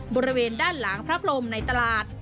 บริเวณด้านหลังพระพรมในตลาด